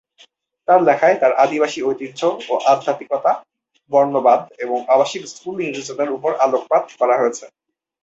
তাঁর লেখায় তার আদিবাসী ঐতিহ্য, আধ্যাত্মিকতা, বর্ণবাদ এবং আবাসিক স্কুল নির্যাতনের উপর আলোকপাত করা হয়েছে।